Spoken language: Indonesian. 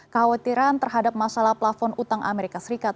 kekhawatiran terhadap masalah plafon utang amerika serikat